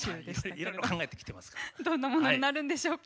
どんなものになるんでしょうか。